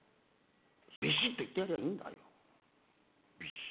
びしっと言ってやりゃいいんだよ。